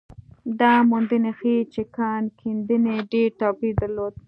دا موندنې ښيي چې کان کیندنې ډېر توپیر درلود.